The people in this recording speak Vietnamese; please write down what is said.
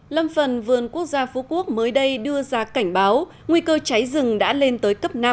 lâm phần vườn quốc gia phú quốc mới đây đưa ra cảnh báo nguy cơ cháy rừng đã lên tới cấp năm